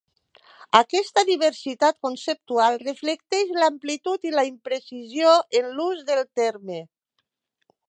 Aquesta diversitat conceptual reflecteix l'amplitud i la imprecisió en l'ús del terme.